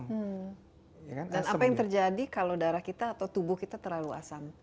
dan apa yang terjadi kalau darah kita atau tubuh kita terlalu asam